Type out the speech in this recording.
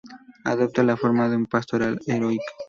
Adopta la forma de una pastoral heroica.